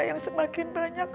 yang semakin banyak